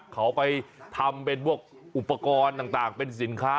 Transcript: เขาไปทำเป็นพวกอุปกรณ์ต่างเป็นสินค้า